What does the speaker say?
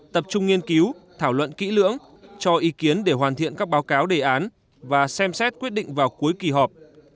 tập trung nghiên cứu thảo luận kỹ lưỡng cho ý kiến để hoàn thiện các báo cáo đề án và xem xét quyết định vào cuối kỳ họp